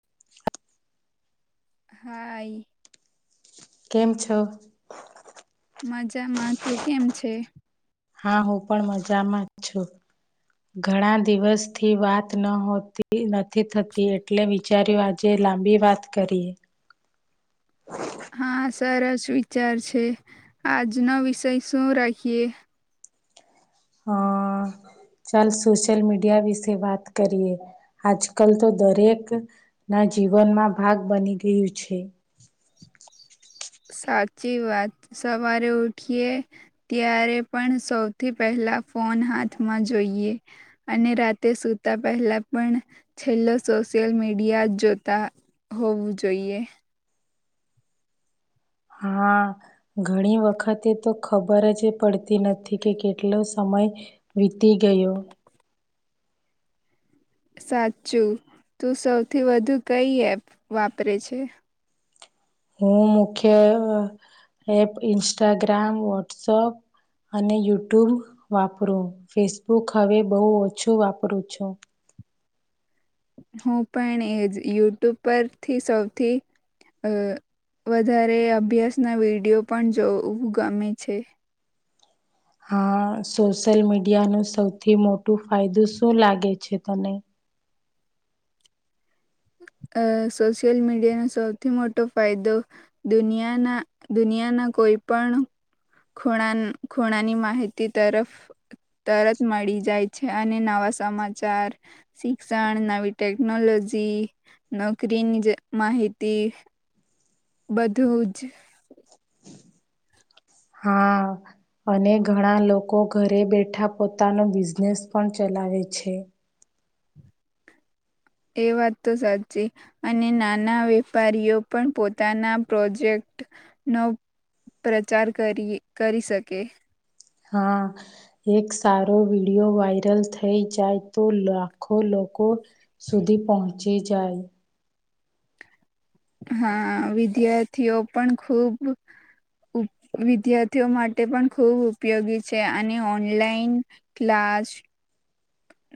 [unintelligible] હાય. કેમ છો? મજામાં તું કેમ છે? હા હું પણ મજામાં જ છું. ઘણા દિવસથી વાત ન હોતી નથી થતી એટલે વિચાર્યું આજે લાંબી વાત કરીએ. હા સરસ વિચાર છે આજનો વિષય શું રાખીએ? હ. ચાલ સોશિયલ મીડિયા વિશે વાત કરીએ આજ કલ તો દરેક ના જીવનમાં ભાગ બની ગયું છે. સાચી વાત સવારે ઉઠીએ ત્યારે પણ સૌથી પહેલા ફોન હાથમાં જોઈએ અને રાતે સુતા પહેલા પણ છેલ્લો સોશિયલ મીડિયા જ જોતા હોવું જોઈએ. હા ઘણી વખતે તો ખબર જ પડતી નથી કે કેટલો સમય સમય વીતી ગયો. સાચું તું સૌથી વધુ કઈ એપ વાપરે છે? હું મુખ્ય એપ ઇન્સ્ટાગ્રામ, વોટ્સઅપ અને યુટ્યુબ વાપરું. ફેસબુક હવે બહુ ઓછું વાપરું છું. હું પણ એજ યુટ્યુબ પરથી સૌથી અ વધારે અભ્યાસના વિડીયો પણ જોવું ગમે છે. હા સોશિયલ મીડિયાનો સૌથી મોટું ફાયદો શું લાગે છે તને? [inaudible] અ સોશિયલ મીડિયાનો સૌથી મોટો ફાયદો દુનિયાના દુનિયાના કોઈ પણ ખૂણા ખૂણાની માહિતી તરફ તરત મળી જાય છે. અને નવા સમાચાર, શિક્ષણ નવી ટેકનોલોજી જી નોકરીની જ માહિતી બધું જ. હા અને ઘણા લોકો ઘરે બેઠા પોતાનો બિઝનેસ પણ ચલ વાવે છે. એ વાત તો સાચી અને નાના વેપારીઓ પણ પોતાના પ્રોજેક્ટ નો પ્રચાર કરીએ કરી શકે. હા એક સારો વિડીયો વાયરલ થઈ જાય તો લાખો લોકો લોકો સુધી પહોંચી જાય. હા વિદ્યાર્થીઓ પણ ખુબ વિદ્યાર્થીઓ માટે પણ ખૂબ ઉપયોગી છે અને ઓનલાઈન ક્લાસ ક્લાસ.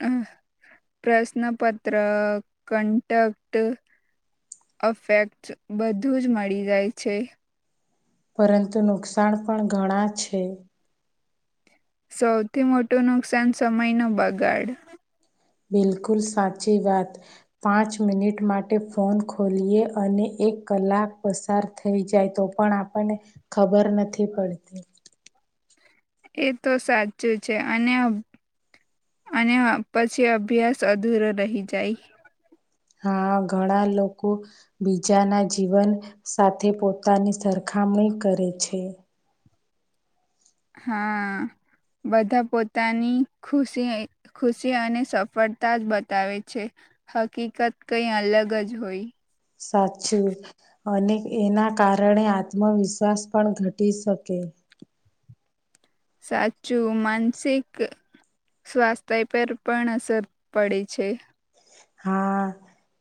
અ પ્રશ્નપત્ર કન્ટક્ટ અફેક્ટ બધું જ મળી જાય છે. પરંતુ નુકસાન પણ ઘણા છે. સૌથી મોટું નુકસાન સમયનો બગાડ. બિલકુલ સાચી વાત. પાંચ મિનિટ માટે ફોન ખોલીએ અને એક કલાક પસાર થઈ જાય તો પણ આપણને ખબર નથી પડતી. એ તો સાચું છે અને અને અભ પછી અભ્યાસ અધૂરો રહી જાય. હા ઘણા લોકો બીજાના જીવન સાથે પોતાની સરખા મણી કરે છે. હા. બધા પોતાની ખુશી ખુશી અને સફળતા જ બતાવે છે. હકીકત કઈ અલગ જ હોય. સાચું. અને એના કારણે આત્મવિશ્વાસ પણ ઘટી શકે સાચું માનસિક સ્વાસ્થ્ય પર પણ અસર પડે છે હા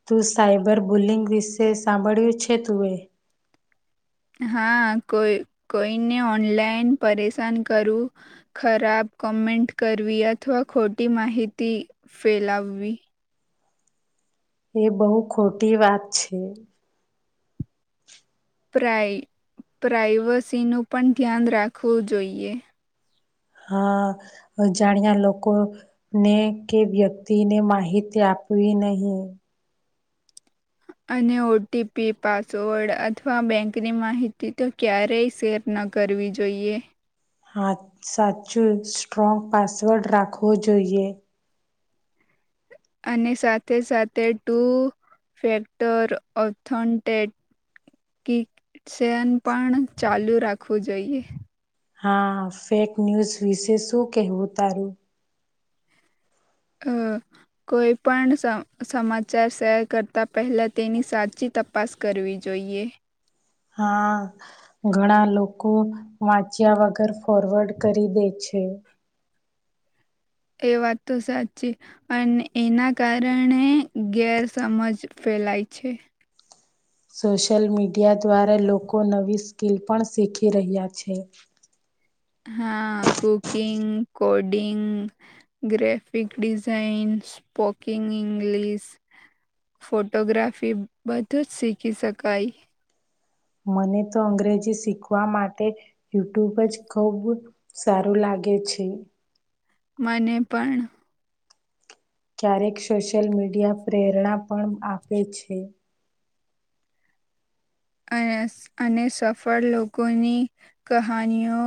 તું સાયબર બુલિંગ વિશે સાંભળ્યું છે તું એ હા કોઈ કોઈને ઓનલાઈન પરેશાન કરું ખરાબ કોમેન્ટ કરવી અથવા ખોટી માહિતી ફેલાવવી એ બહુ ખોટી વાત છે પ્રઈ પ્રાઈવસીનું પણ ધ્યાન રાખવું જોઈએ હા અજાણ્યા લોકોને કે વ્યક્તિ ને માહિતી આપ આપવી નહી અને ઓટીપી પાસવર્ડ અથવા બેંકની માહિતી તો ક્યારેય શેર ના ના કરવી જોઈએ હા સાચું સ્ટ્રોંગ પાસવર્ડ રાખવો જોઈએ અને સાથે સાથે ટું ફેક્ટર ઓથનન્ટેટ કિક સન પણ ચાલુ રાખવું જોઈએ હા ફેક ન્યૂઝ વિશે શું કહેવું તારું હ કોઈ પણ સમાચાર શેર કરતા પહેલા તેની સાચી તપાસ કરવી જોઈએ જોઈએ હા ઘણા લોકો વાંચ્યા વગર ફોરવર્ડ કરી દે છે એ વાત તો સાચી અને એના કારણે ગેરસમજ ફેલાય છે સોશિયલ મીડિયા દ્વારા લોકો નવી સ્કિલ પણ શીખી રહ્યા છે [inaudible] હા cooking coding graphic design સ્પોકીિંગ English photography બધું જ શીખી શકાય મને તો અંગ્રેજી શીખવા માટે યુટ્યુબ જ ખુબ સારું લાગે આગે છે મને પણ ક્યારેક સોશિયલ મીડિયા પ્રેરણા પણ આપે છે અને સફળ લોકોની કહાનીઓ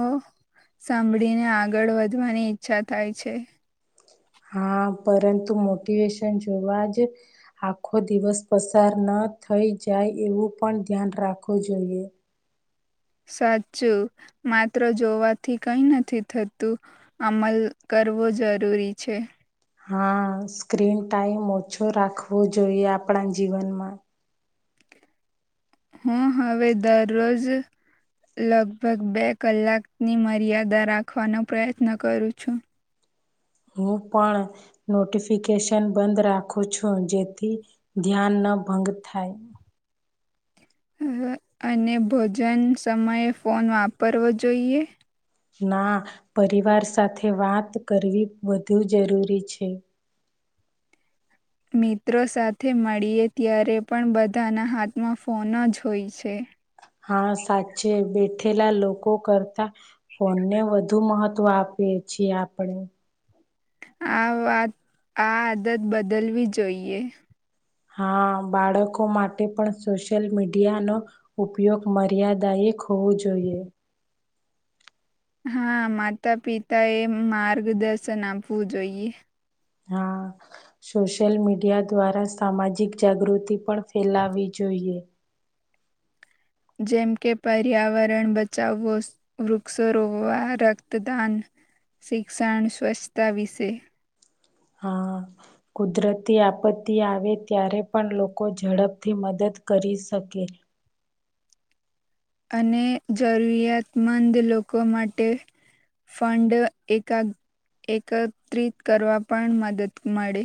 સાંભળીને આગળ વધવાની ઈચ્છા થાય છે હા પરંતુ મોટિવેશન જોવા જ આખો દિવસ પસાર ન થઈ જાય એવું પણ ધ્યાન રાખવું જોઈએ સાચું માત્ર જોવાથી કઈ નથી થતું અમલ કરવો જરૂરી છે હા સ્ક્રીન ટાઈમ ઓછો રાખવો જોઈએ આપણા જીવનમાં હું હવે દરરોજ લગભગ બે કલાકની મર્યાદા રાખવાનો પ્રયત્ન કરું છું હું પણ નોટિફિકેશન બંધ રાખું છું જેથી ધ્યાન ન ના ભંગ થાય અને ભોજન સમયે ફોન વાપરવો જોઈએ ના પરિવાર સાથે વાત કરવી વધુ જરૂરી છે મિત્રો સાથે મળીએ ત્યારે પણ બધાના હાથમાં ફોન જ હોય છે હા સાચી બેટ લા લોકો કરતા ફોનને વધુ મહત્વ આપીએ છીએ આપણે આ વાત આ આદત બદલવી જોઈએ હા બાળકો માટે પણ સોશિયલ મીડિયાનોો ઉપયોગ મર્યાદાય એક હોવું જોઈએ હા માતા પિતા એ માર્ગદર્શન આપવું જોઈએ હા સોશિયલ મીડિયા દ્વારા સામાજિક જાગૃતિ પણ ફેલાવી જોઈએ જેમ કે પર્યાવરણ બચાવવો વૃક્ષો રોકવા રક્તદાન શિક્ષણ સ્વચ્છતા વિશે હા કુદરતી આપત્તિ આવે ત્યારે પણ લોકો ઝડપથી મદદ કરી શકે અને જરૂરિયાતમંદ લોકો માટે ફંડ એક એકત્રિત કરવા પણ મદદ મળે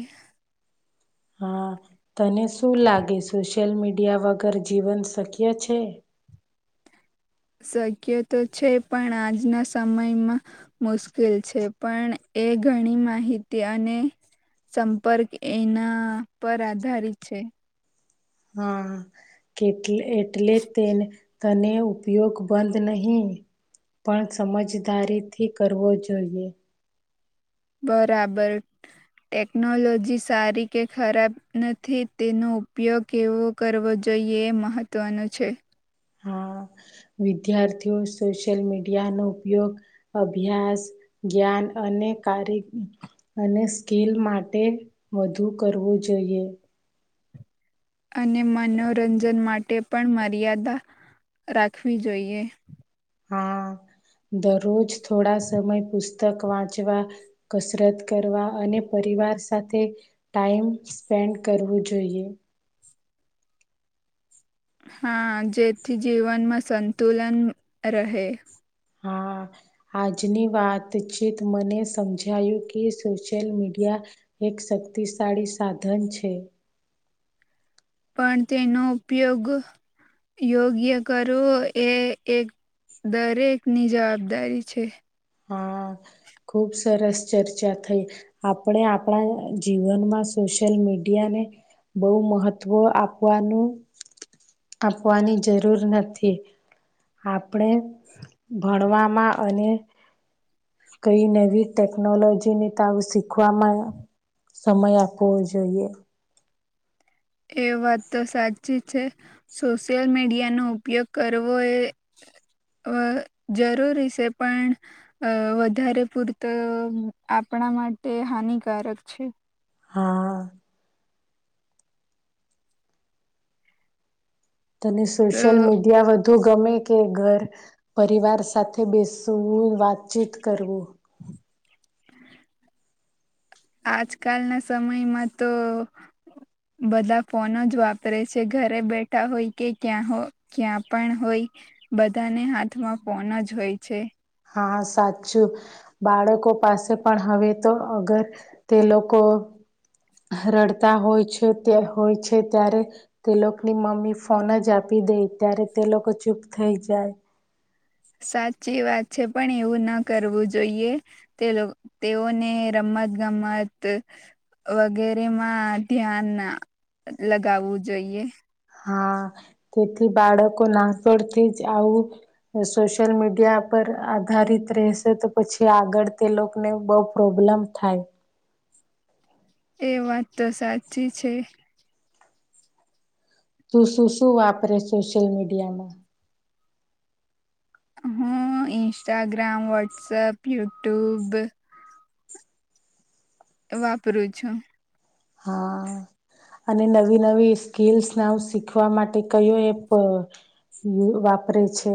હા તને શું લાગે સોશિયલ મીડિયા વગર જીવન શક્ય છે શક્ય તો છે પણ આજના સમયમાં મુશ્કેલ છે પણ એ ઘણી માહિતી અને સંપર્ક એના પર આધારિત છે હા કેટ એટલે તેને તને ઉપયોગ બંધ નહીિ પણ સમજદારીથી કરવો જોઈએ બરાબર ટેકનોલોજી સારી કે ખરાબ નથી તેનો ઉપયોગ કેવો કરવો જોઈએ જોઈએ મહત્ત્વનું છે હા વિદ્યાર્થીઓ સોશિયલ મીડિયા નો ઉપયોગ અભ્યાસ જ્ઞાન અને કાર અને સ્કીિલ માટે વધુ કરવું જોઈએ અને મનોરંજન માટે પણ મર્યાદા રાખવી જોઈએ હા દરરોજ થોડા સમય પુસ્તક વાંચવા કસરત કરવા અને પરિવાર સાથે ટાઈમ સ્પેન્ડ કરવું જોઈએ. હા જેથી જીવનમાં સંતુલન રહે. હા આજની વાતચીત મને સમજાયું કે સોશિયલ મીડિયા એક શક્તિશાળી સાધન છે. પણ તેનો ઉપયોગ યોગ્ય કરો એ એક દરેકની જવાબદારી છે. હા [unintelligible] ખુબ સરસ ચર્ચા થઈ આપણે આપણા જીવનમાં સોશિયલ, મીડિયાને બહુ મહત્વ આપવાનું. આપવાની જરૂર નથી. આપણે ભણવામાં અને કઈ નવી ટેકનોલોજી ને તો આવું શીખવા મળે સમય આપવો જોઈએ. એ વાત તો સાચી છે. સોશિયલ મીડિયાનો ઉપયોગ કરવો એ જરૂરી છે. પણ વધારે પૂરતો આપણા માટે હાનિકારક છે. હા [unintelligible] ત તો સોશિયલ મીડિયા વધુ. ધું ગમે કે ઘર પરિવાર સાથે બેસવું વાતચીત કરવું હ [inaudible] આજકાલ ના સમયમાં તો બધા ફોનો જ વાપરે છે. ઘરે બેઠા હોય કે ક્યાં ક્યાં પણ હોય બધાના હાથમાં ફોન જ હોય છે. હા સાચું બાળકો પાસે પણ હવે તો અગર તે લોકો રડતા હોય છે. હોય છે ત્યારે તે લોકોની મમ્મી ફોન જ આપી દેય દે ત્યારે તે લોકો ચૂપ થઈ જાય. સાચી વાત છે. પણ એવું ના કરવું જોઈએ તે તેઓને રમવા ગમત ગમત વગેરેમાં ધ્યાન લગાવવું જોઈએ. હા તેથી બાળકો નાનપણ થી જ આવુ સોશ્યલ મીડીયા પર આધારિત રહેશે તો પછી આગળ તે લોકોને બહુ પ્રોબ્લેમ થાય. એ વાત તો સાચી છે. શું શું શું વાપરે સોશિયલ મીડિયામાં હા ઇન્સ્ટાગ્રામ વોટ્સઅપ યુટ્યુબ વાપરું છું. હા. અને નવી નવી સ્કીલ્સનેું શીખવા માટે કયો એપ હું વાપરું છુ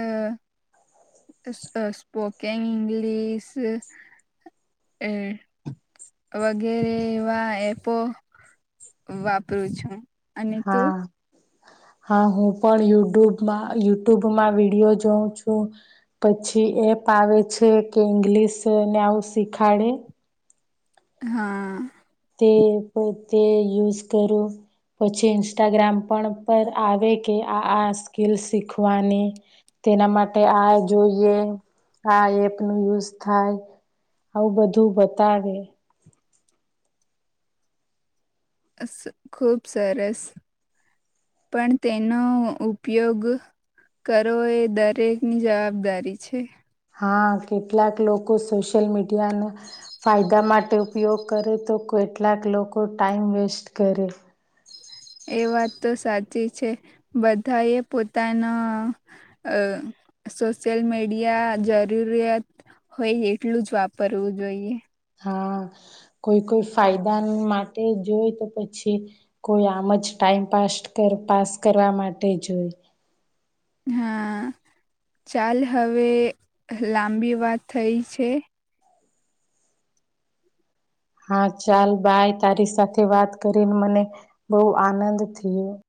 અ સ્પોકન ઇંગ્લીશ હમ [unintelligible] વગેરે એવા એપો વાપરું છું. અને તું. હ [inaudible] હા હું પણ યુટ્યુબમાં યુટ્યુબમાં વિડીિયો જોઉ છું. પછી એપ. આવેે છે. કે ઇંગ્લિશ ને આવું શીખવાડે હા તે એપ તે યુઝ કર્યો પછી ઇન્સ્ટાગ્રામ પણ પર આવે કે આ આ સ્કીલ શીખવાની. તેના માટે આ જોઈએ આ એપ ન યુઝ થાય. આવું બધું બતાવે. ખુબ સરસ. પણ તેનો ઉપયોગ કરો એ દરેકની જવાબદારી છે. હા કેટલાક લોકો સોશિયલ મીડિયાના ફાયદા માટે ઉપયોગ કરે તો કોઈ કેટલાક લોકો ટાાઈમ વેસ્ટ કરે. એ વાત તો સાચી છે બધા એ પોતાના અ સોશિયલ મીડિયા જરૂરિયાત હોય એટલું જ વાપરવું જોઈએ. હા કોઈ કોઈ ફાયદા માટે જોય તો પછી કોઈ આમ જ ટાઈમપાસ્ટ કર પાસ કરવા માટે જોઈ. હા. ચાલ હવે લાંબી વાત થઈ છે. હા ચાલ બાય તારી સાથે વાત કરીને મને બહુ આનંદ થયો.